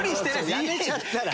やめちゃったら。